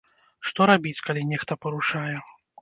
Што рабіць, калі нехта парушае?